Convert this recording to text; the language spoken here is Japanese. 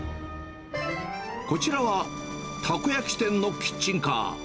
こちらは、たこ焼き店のキッチンカー。